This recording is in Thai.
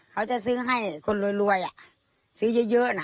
เขาจะซื้อให้คนรวยซื้อเยอะนะ